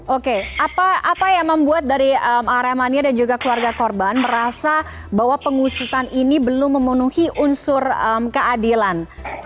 oke apa yang membuat dari aremania dan juga keluarga korban merasa bahwa pengusutan ini belum memenuhi unsur keadilan